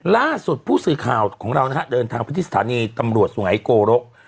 ล่าสุดผู้สื่อข่าวของเรานะฮะเดินทางพฤษฐานีตำรวจสโกรก